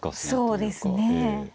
そうですね